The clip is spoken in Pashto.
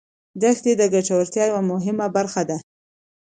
دښتې د ګټورتیا یوه مهمه برخه ده.